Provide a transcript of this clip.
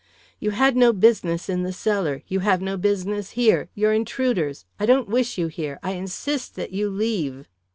"You had no business in the cellar. You have no business here. You're intruders. I don't wish you here. I insist that you leave."